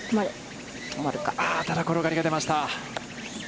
ただ、転がりが出ました。